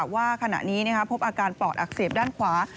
ว่าขณะนี้พบอาการปอดอักเสบด้านขวา